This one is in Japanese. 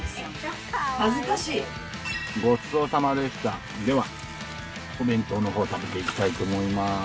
恥ずかしいごちそうさまでしたではお弁当の方食べていきたいと思います